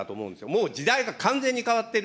もう時代が完全に変わってる。